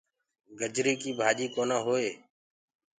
گجري ڪي ڀآجي ڪونآ هئي۔